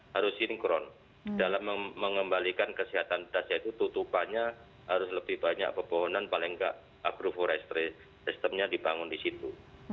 harus sinkron dalam mengembalikan kesehatan das itu tutupannya harus lebih banyak pepohonan paling gak agroforestry sistemnya dibangun di situ